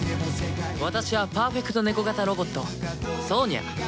私はパーフェクトネコ型ロボット、ソーニャ。